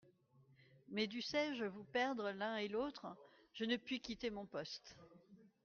Mais dussé-je vous perdre l'un et l'autre, je ne puis quitter mon poste.